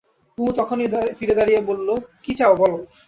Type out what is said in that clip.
কুমু তখনই ফিরে দাঁড়িয়ে বললে, কী চাও বলো।